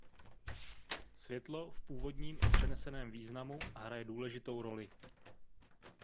Světlo v původním i přeneseném významu hraje důležitou roli.